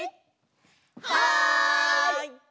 はい！